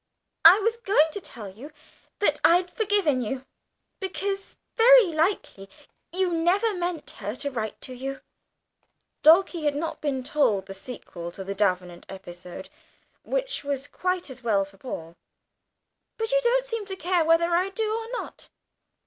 I was going to tell you that I'd forgiven you, because very likely you never meant her to write to you" (Dulcie had not been told the sequel to the Davenant episode, which was quite as well for Paul). "But you don't seem to care whether I do or not."